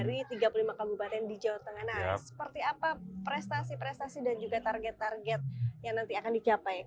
nah seperti apa prestasi prestasi dan juga target target yang nanti akan dicapai menjelang akhir jabatannya ini